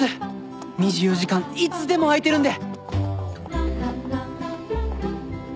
「２４時間いつでもあいてるんで！」